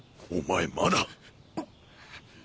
お前まだ。